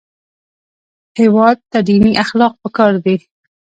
هېواد ته دیني اخلاق پکار دي